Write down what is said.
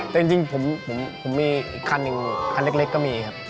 แต่จริงผมมีอีกคันหนึ่งคันเล็กก็มีครับ